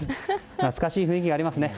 懐かしい雰囲気がありますね。